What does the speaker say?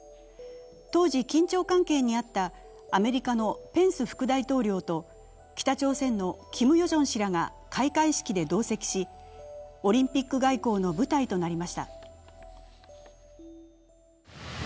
当時、緊張関係にあったアメリカのペンス副大統領と北朝鮮のキム・ヨジョン氏らが開会式で同席し、オリンピック外交の舞台となりました。